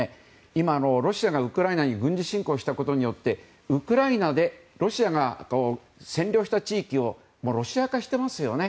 今、ロシアがウクライナに軍事侵攻したことによってウクライナでロシアが占領した地域をロシア化していますよね。